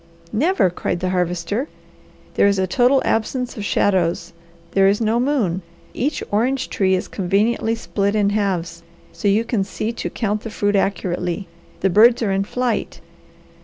"Never!" cried the Harvester. "There is a total absence of shadows. There is no moon. Each orange tree is conveniently split in halves, so you can see to count the fruit accurately; the birds are in flight.